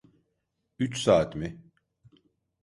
Üç saat mi?